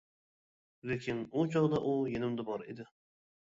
لېكىن ئۇ چاغدا ئۇ يېنىمدا بار ئىدى.